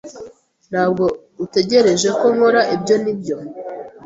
Ntabwo utegereje ko nkora ibyo, nibyo?